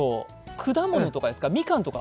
果物とかですか、みかんとか？